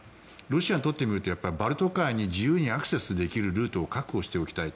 ロシアにとってみるとやっぱりバルト海に自由にアクセスできるルートを確保しておきたい。